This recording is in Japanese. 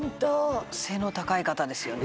「背の高い方ですよね」